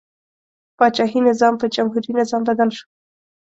پاچاهي نظام په جمهوري نظام بدل شو.